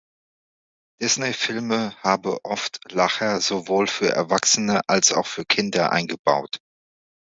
Disneyfilme habe oft Lacher sowohl für Erwachsene als auch für Kinder eingebaut.